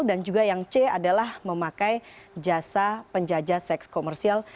dan juga yang c adalah memakai jasa penjajah seks komersial